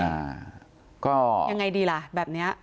ยังไงดีแบบนี้